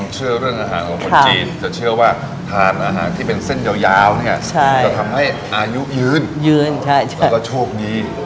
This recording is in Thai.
จะเชื่อว่าทำอาหารที่เป็นเส้นยาวจะทำให้อายุยืนแล้วก็โชคดี